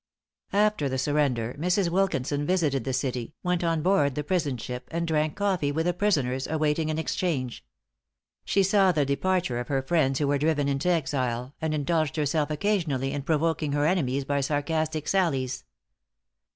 After the surrender, Mrs. Wilkinson visited the city, went on board the prison ship, and drank coffee with the prisoners awaiting an exchange. She saw the departure of her friends who were driven into exile, and indulged herself occasionally in provoking her enemies by sarcastic sallies.